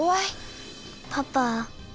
パパ。